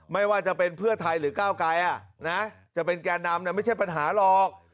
ไม่ว่าจะเป็นเพื่อไทยหรือก้าวไกลจะเป็นแก่นำไม่ใช่ปัญหาหรอก